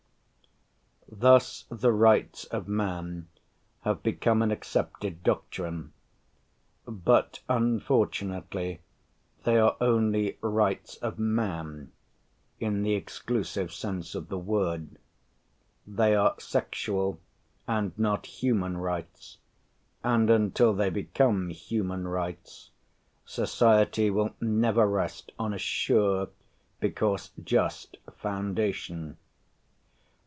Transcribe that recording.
Thus the Rights of Man have become an accepted doctrine, but, unfortunately, they are only rights of man, in the exclusive sense of the word. They are sexual, and not human rights, and until they become human rights, society will never rest on a sure, because just, foundation.